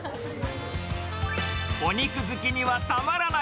お肉好きにはたまらない。